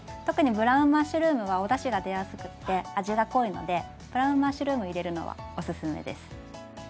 特にブラウンマッシュルームはおだしが出やすくって味が濃いのでブラウンマッシュルーム入れるのはおすすめです。